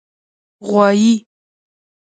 🐂 غوایی